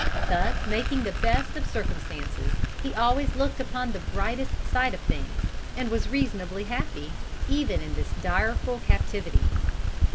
Thus making the best of circumstances, he always looked upon the brightest side of things, and was reasonably happy, even in this direful captivity.